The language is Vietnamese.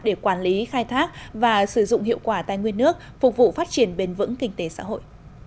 để quản lý khai thác và sử dụng hiệu quả tài nguyên nước phục vụ phát triển bền vững kinh tế xã hội